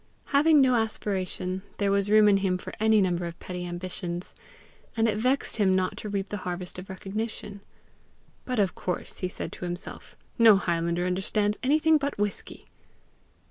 Having no aspiration, there was room in him for any number of petty ambitions; and it vexed him not to reap the harvest of recognition. "But of course," he said to himself, "no highlander understands anything but whisky!"